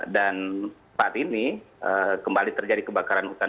dan saat ini kembali terjadi kebakaran hutan